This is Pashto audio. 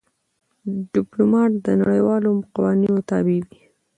ډيپلومات د نړیوالو قوانینو تابع وي.